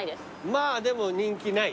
まぁでも人気ない？